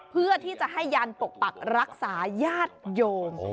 เพื่อที่จะให้ยันปกปักรักษาญาติโยม